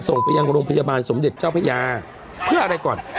ส่งไปยังโรงพยาบาลสมเด็จเจ้าพระยาเพื่ออะไรก่อน